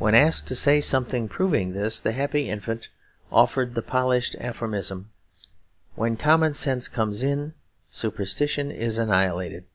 When asked to say something proving this, the happy infant offered the polished aphorism, 'When common sense comes in, superstition is annihilated.'